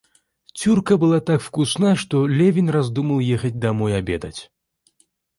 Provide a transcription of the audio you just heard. Тюрька была так вкусна, что Левин раздумал ехать домой обедать.